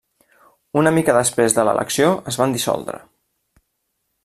Una mica després de l'elecció es van dissoldre.